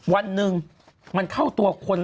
วันหนึ่งมันเข้าตัวคน